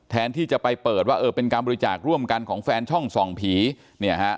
แทนที่จะไปเปิดว่าเออเป็นการบริจาคร่วมกันของแฟนช่องส่องผีเนี่ยฮะ